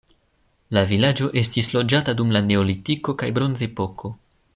La vilaĝo estis loĝata dum la neolitiko kaj bronzepoko.